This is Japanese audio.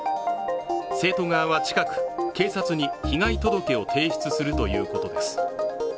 生徒側は近く、警察に被害届を提出するということです。